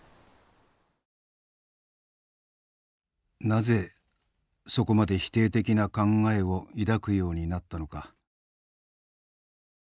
なぜそこまで否定的な考えを抱くようになったのか。